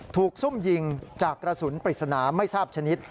ซุ่มยิงจากกระสุนปริศนาไม่ทราบชนิด